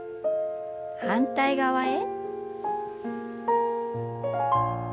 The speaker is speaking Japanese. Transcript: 反対側へ。